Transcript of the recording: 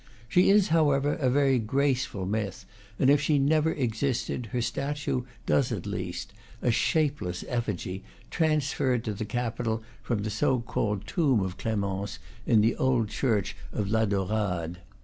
She is, however, a very graceful myth; and if she never existed, her statue does, at least, a shapeless effigy, transferred to the Capitol from the so called tomb of Clemence in the old church of La Daurade.